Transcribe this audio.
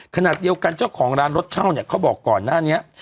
ขณะเดียวกันเจ้าของร้านรถเช่าเนี่ยเขาบอกก่อนหน้านี้